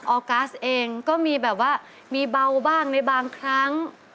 ออกัสเองก็มีแบบว่ามีเบาบ้างในบางครั้ง